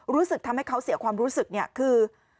รู้สึกทำให้เขาเสียความรู้สึกเนี่ยคือ